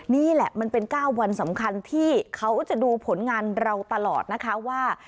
นี่แหละมันเป็น๙วันสำคัญที่เขาจะดูผลงานเราตลอดนะคะว่า